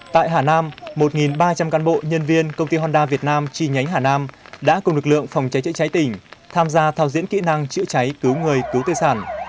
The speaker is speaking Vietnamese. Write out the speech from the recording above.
tại hà nam một ba trăm linh cán bộ nhân viên công ty honda việt nam chi nhánh hà nam đã cùng lực lượng phòng cháy chữa cháy tỉnh tham gia thao diễn kỹ năng chữa cháy cứu người cứu tư sản